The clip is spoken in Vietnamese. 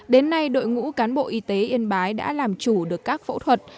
đến nay đội ngũ cán bộ y tế yên bái đã làm chủ được các phẫu thuật